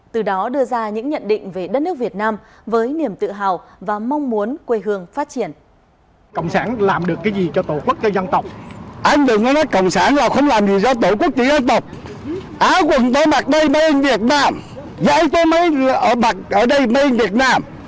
từ đó đưa ra những nhận định về đất nước việt nam với niềm tự hào và mong muốn quê hương phát triển